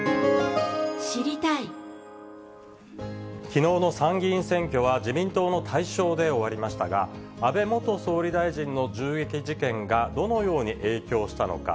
きのうの参議院選挙は、自民党の大勝で終わりましたが、安倍元総理大臣の銃撃事件がどのように影響したのか。